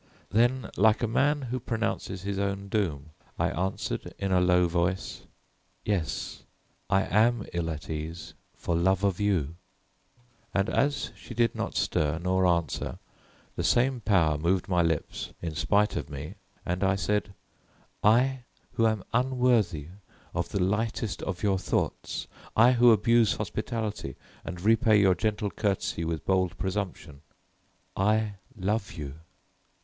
Then, like a man who pronounces his own doom, I answered in a low voice: "Yes, I am ill at ease for love of you." And as she did not stir nor answer, the same power moved my lips in spite of me and I said, "I, who am unworthy of the lightest of your thoughts, I who abuse hospitality and repay your gentle courtesy with bold presumption, I love you."